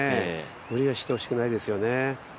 無理はしてほしくないですよね。